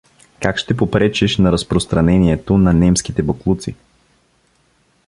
Как ще попречиш на разпространението на немските боклуци?